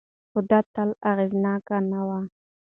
خو دا تل اغېزناک نه وي.